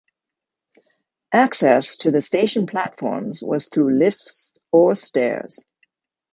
Access to the station platforms was through lifts or stairs.